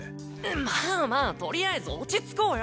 まあまあとりあえず落ち着こうよ！